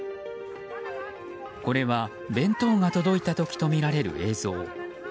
これは弁当が届いた時とみられる映像。